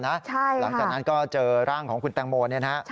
หลังจากนั้นก็เจอร่างของคุณแตงโมเนี่ยนะฮะ